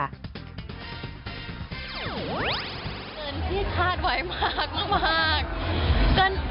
เหมือนพี่คาดไหวมากก็น่ารักค่ะฉันด้วยฉันก็มีความสุข